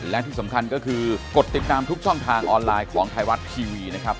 และที่สำคัญก็คือกดติดตามทุกช่องทางออนไลน์ของไทยรัฐทีวีนะครับ